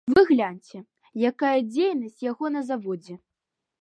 Вы гляньце, якая дзейнасць яго на заводзе.